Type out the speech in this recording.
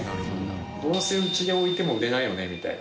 どうせうちで置いても売れないよねみたいな。